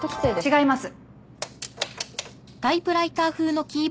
違います。